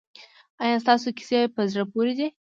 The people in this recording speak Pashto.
ایا ستاسو کیسې په زړه پورې دي؟